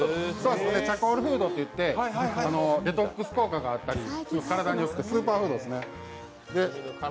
チャコールフードといって、デトックス効果があったりスーパーフードですね。